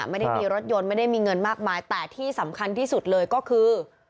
ไม่ได้มีรถยนต์ไม่ได้มีเงินมากมายแต่ที่สำคัญที่สุดเลยก็คือ